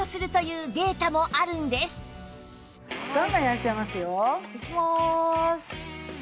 行きます。